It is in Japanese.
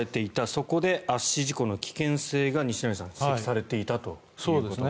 そこで圧死事故の危険性が指摘されていたということです。